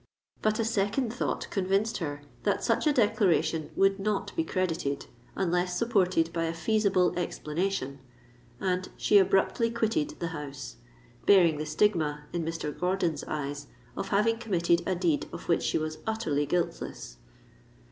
"—but a second thought convinced her that such a declaration would not be credited, unless supported by a feasible explanation; and she abruptly quitted the house—bearing the stigma, in Mr. Gordon's eyes, of having committed a deed of which she was utterly guiltless!